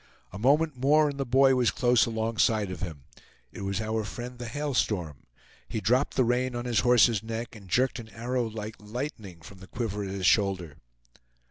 A moment more and the boy was close alongside of him. It was our friend the Hail Storm. He dropped the rein on his horse's neck and jerked an arrow like lightning from the quiver at his shoulder.